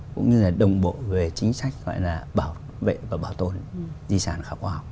cũng như là đồng bộ về chính sách gọi là bảo vệ và bảo tồn di sản khảo cổ học